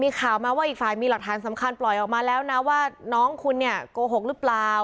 มีข่าวมาว่าอีกฝ่ายมีหลักฐานสำคัญปล่อยออกมาแล้วนะว่าน้องคุณเนี่ยโกหกหรือเปล่า